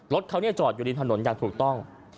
รถเขาจอดอยู่ริมถนนอย่างถูกต้อง